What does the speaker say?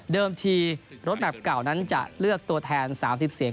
ทีรถแมพเก่านั้นจะเลือกตัวแทน๓๐เสียง